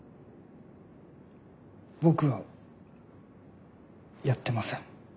僕はやってません。